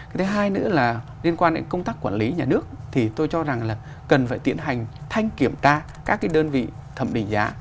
cái thứ hai nữa là liên quan đến công tác quản lý nhà nước thì tôi cho rằng là cần phải tiện hành thanh kiểm tra các cái đơn vị thẩm định giá